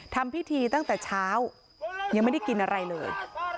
ทำพิธีตั้งแต่เช้ายังไม่ได้กินอะไรเลย